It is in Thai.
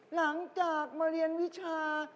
หลังจากมาเรียนวิชา